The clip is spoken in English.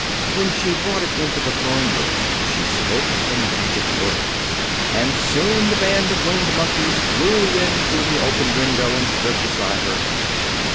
When she brought it into the Throne Room she spoke the magic words, and soon the band of Winged Monkeys flew in through the open window and stood beside her.